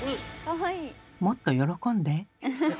もっと喜んで。